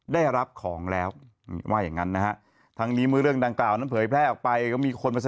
ได้รับของแล้วว่าอย่างงั้นนะฮะทางนี้เมื่อเรื่องดังกล่าวนั้น